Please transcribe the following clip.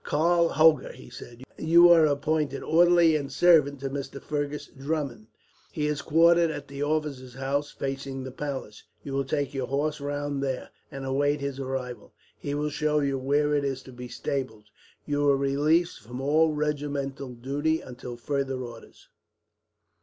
"Karl Hoger," he said, "you are appointed orderly and servant to Mr. Fergus Drummond. He is quartered at the officers' house, facing the palace. You will take your horse round there, and await his arrival. He will show you where it is to be stabled. You are released from all regimental duty until further orders."